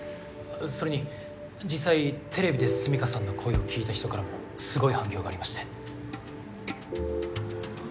それに実際テレビで純夏さんの声を聞いた人からもすごい反響がありまして。